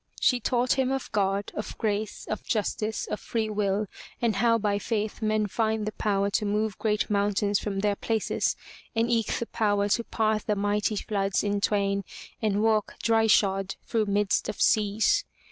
She taught him of God, of grace, of justice, of free will, and how by faith men find the power to move great moun tains from their places and eke the power to part the mighty floods in twain and walk dry shod through midst of seas.